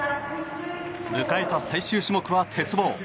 迎えた最終種目は鉄棒。